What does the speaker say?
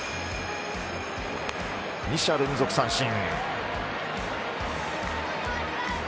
二者連続三振。